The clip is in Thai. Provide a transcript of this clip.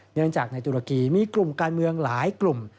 เนื่องจากในตุรกีมีกลุ่มการเมืองหลายกลุ่ม